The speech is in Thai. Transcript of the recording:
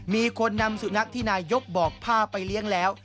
มีคนนำสุนัขที่นายยกบอกผ้าไปเลี้ยงแล้ว